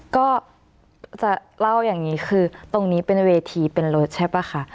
ก็จะเล่าอย่างนี้คือตรงนี้เป็นเวทีเป็นรถใช่ป่ะคะ